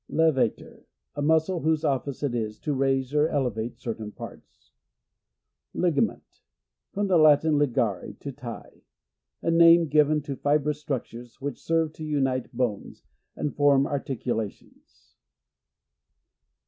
Levator. — A muscle whose office it is to raise or elevate certain parts. Ligament. — From the Latin, ligare, to tie. A name given to fibrous structures, which serve to unite bones, and form articulations.